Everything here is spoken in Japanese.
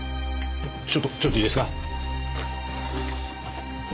ちょっとちょっといいですか。